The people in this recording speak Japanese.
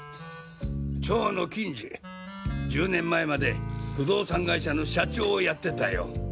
蝶野欽治１０年前まで不動産会社の社長をやってたよ。